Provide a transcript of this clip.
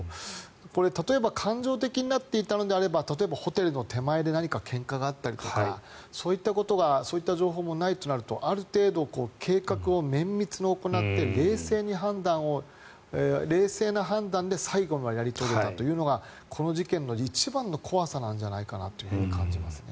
これ、例えば感情的になっていたのであれば例えばホテルの手前でけんかがあったりとかそういう情報もないとなるとある程度、計画を綿密に行って冷静な判断で最後までやり遂げたというのがこの事件の一番の怖さじゃないかなと感じますね。